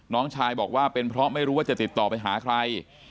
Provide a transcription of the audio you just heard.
น้องชายบอกว่าเป็นเพราะไม่รู้ว่าจะติดต่อไปหาใคร